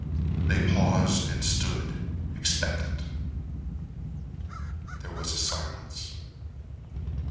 They paused and stood, expectant. There was a silence.